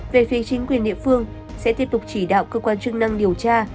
về phía chính quyền địa phương sẽ tiếp tục chỉ đạo cơ quan chức năng điều tra